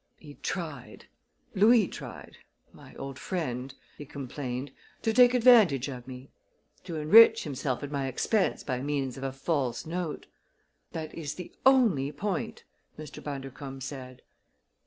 "He tried Louis tried my old friend," he complained, "to take advantage of me; to enrich himself at my expense by means of a false note." "That is the only point," Mr. Bundercombe said.